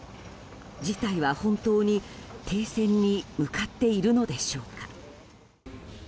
事態は本当に停戦に向かっているのでしょうか。